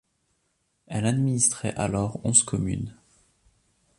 Elle administrait alors onze communes.